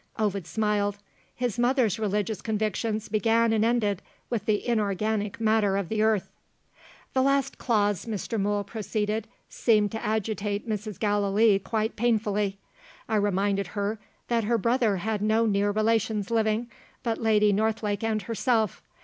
Ovid smiled. His mother's religious convictions began and ended with the inorganic matter of the earth. "The last clause," Mr. Mool proceeded, "seemed to agitate Mrs. Gallilee quite painfully. I reminded her that her brother had no near relations living, but Lady Northlake and herself.